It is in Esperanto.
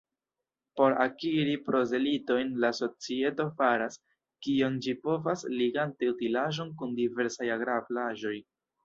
Por akiri prozelitojn, la societo faras, kion ĝi povas, ligante utilaĵon kun diversaj agrablaĵoj.